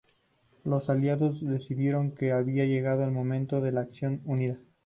Los aliados decidieron que había llegado el momento de la acción unida.